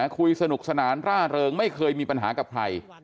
คุยสนุกสนานร่าเริงไม่เคยมีปัญหากับใคร